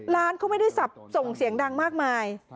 ร้านเขาไม่ได้สับส่งเสียงดังมากมาย